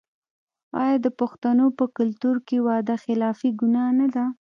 آیا د پښتنو په کلتور کې وعده خلافي ګناه نه ده؟